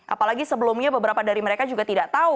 apalagi sebelumnya beberapa dari mereka juga tidak tahu